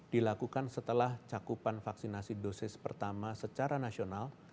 dilakukan setelah cakupan vaksinasi dosis pertama secara nasional